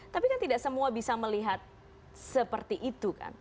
tapi kan tidak semua bisa melihat seperti itu kan